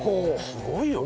すごいよね。